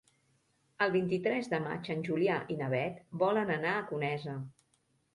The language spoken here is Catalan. El vint-i-tres de maig en Julià i na Beth volen anar a Conesa.